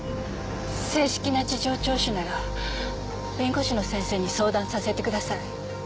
正式な事情聴取なら弁護士の先生に相談させてください。